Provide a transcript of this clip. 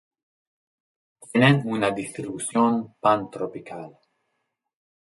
Tienen una distribución Pantropical.